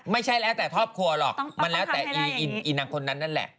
ไม่ใช่แล้วแต่ครอบครัวหรอกมันแล้วแต่อีนางคนนั้นนั่นแหละ